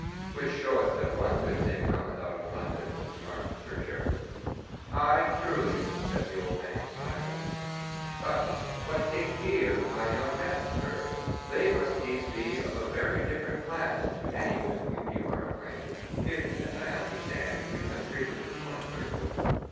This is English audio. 'Which showeth that one good thing cometh out of London,' remarked Sir Gervas. 'Aye, truly,' said the old man, smiling. 'But what think ye of my young men, sir? They must needs be of a very different class to any with whom you are acquainted, if, as I understand, you have frequented court circles.